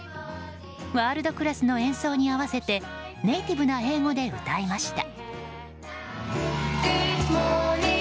ワールドクラスの演奏に合わせてネイティブな英語で歌えました。